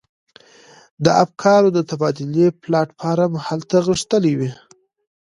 د افکارو د تبادلې پلاټ فورم هلته غښتلی وي.